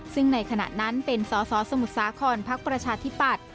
ซึ่งในขณะนั้นเป็นสอสอสมุทรสาครพักประชาธิปัตย